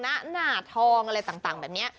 หน้าหนาทองอะไรต่างแบบนี้